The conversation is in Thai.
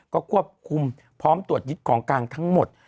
ก็ควบคุมพร้อมตรวจยึดของกลางทั้งหมด